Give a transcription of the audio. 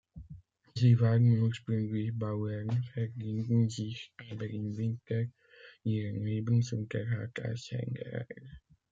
Sie waren ursprünglich Bauern, verdienten sich aber im Winter ihren Lebensunterhalt als Händler.